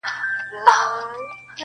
• مگر سر ستړی په سودا مات کړي,